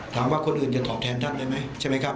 ถามว่าคนอื่นจะตอบแทนท่านได้ไหมใช่ไหมครับ